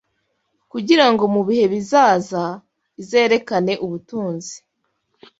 Kugira ngo mu bihe bizaza, izerekane ubutunzi